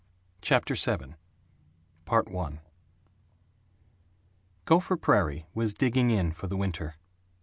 CHAPTER VII I GOPHER PRAIRIE was digging in for the winter.